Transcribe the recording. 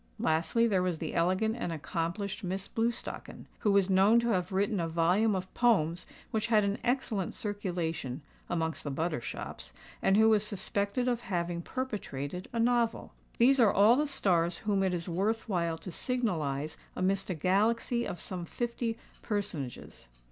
Lastly, there was the elegant and accomplished Miss Blewstocken, who was known to have written a volume of poems which had an excellent circulation (amongst the butter shops), and who was suspected of having perpetrated a novel. These are all the stars whom it is worth while to signalise amidst a galaxy of some fifty personages.